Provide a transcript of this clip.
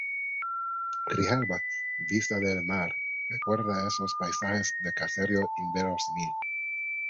Grijalba, vista desde el mar , recuerda esos paisajes de caserío inverosímil